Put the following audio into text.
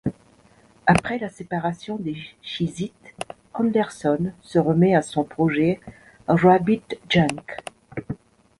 Après la séparation des Shizit, Anderson se remet à son projet Rabbit Junk.